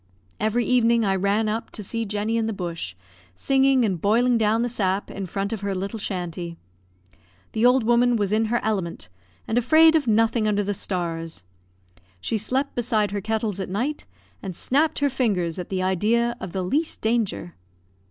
Every evening I ran up to see Jenny in the bush, singing and boiling down the sap in the front of her little shanty. The old woman was in her element, and afraid of nothing under the stars; she slept beside her kettles at night, and snapped her fingers at the idea of the least danger.